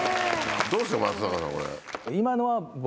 どうですか松坂さんこれ。